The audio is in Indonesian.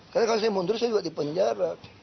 karena kalau saya mundur saya juga dipenjara